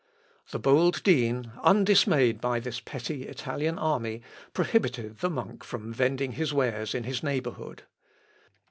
The bold dean undismayed by this petty Italian army, prohibited the monk from vending his wares in his neighbourhood.